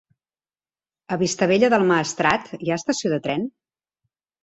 A Vistabella del Maestrat hi ha estació de tren?